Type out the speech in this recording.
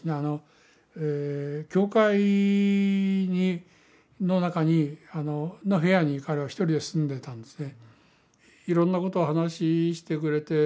教会の中にの部屋に彼は１人で住んでたんですね。